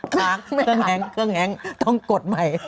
ค้างเครื่องแหงต้องกดใหม่